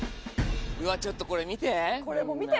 ちょっとこれ見て。